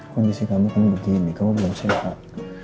kondisi kamu kan begini kamu belum sehat